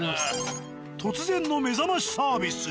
突然の目覚ましサービス。